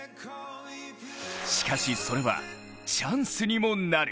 しかしそれはチャンスにもなる。